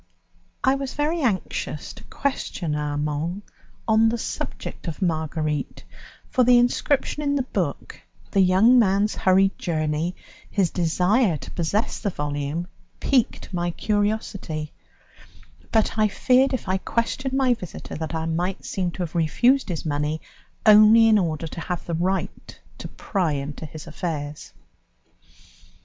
I was very anxious to question Armand on the subject of Marguerite, for the inscription in the book, the young man's hurried journey, his desire to possess the volume, piqued my curiosity; but I feared if I questioned my visitor that I might seem to have refused his money only in order to have the right to pry into his affairs.